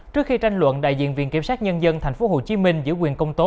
trước khi tranh luận đại diện viện kiểm sát nhân dân tp hcm giữ quyền công tố